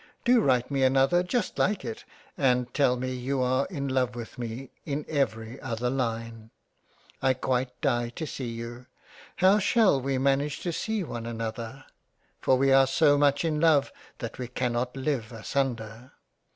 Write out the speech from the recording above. Do write me another just like it, and tell me you are in love with me in every other line. I quite die to see you. How shall we manage to see one another ? for we are so much in love that we cannot live asunder.